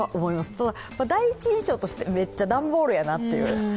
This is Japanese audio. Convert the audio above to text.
ただ第一印象としては、めっちゃ段ボールやなと。